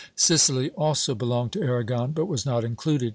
Sicily also belonged to Aragon, but was not included.